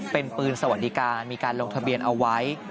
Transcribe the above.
เป็นปืนสวัสดิการมีการลงทะเบียนเอาไว้